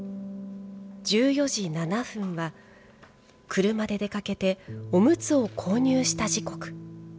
１４時７分は、車で出かけておむつを購入した時刻。